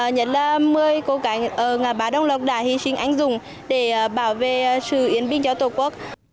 nhất là một mươi cô gái ba đồng lộc đã hy sinh anh dùng để bảo vệ sự yên bình cho tổ quốc